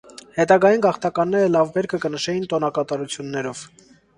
Յետագային գաղթականները լաւ բերքը կը նշէին տօնակատարութիւններով։